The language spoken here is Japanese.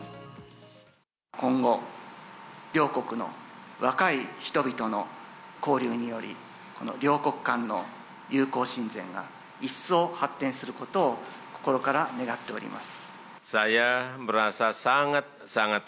今後、両国の若い人々の交流により、この両国間の友好親善が一層発展することを心から願っております。